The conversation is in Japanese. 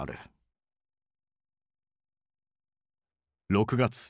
６月。